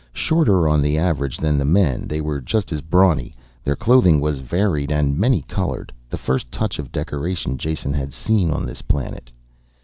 Shorter on the average than the men, they were just as brawny. Their clothing was varied and many colored, the first touch of decoration Jason had seen on this planet.